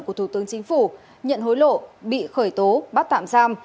của thủ tướng chính phủ nhận hối lộ bị khởi tố bắt tạm giam